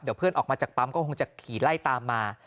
เดี๋ยวเพื่อนออกมาจากปั๊มก็คงจะขี่ไล่ตามมา